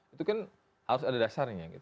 itu kan harus ada dasarnya